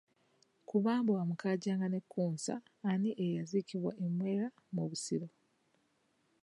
Ku Bambowa Mukaajanga ne Kkunsa ani eyaziikibwa e Mwera mu Busiro?